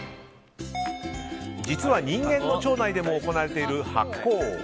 実は人間の腸内でも行われている発酵。